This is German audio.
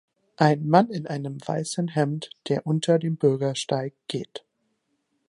Ein Mann in einem weißen Hemd, der unter dem Bürgersteig geht